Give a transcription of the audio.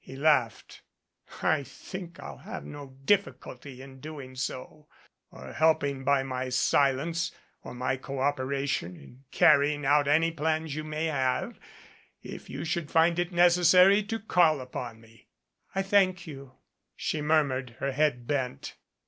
He laughed. "I think I'll have no difficulty in doing so or helping by my silence or my cooperation in carrying out any plans you may have, if you should find it necessary to call upon me." "I thank you," she murmured, her head bent.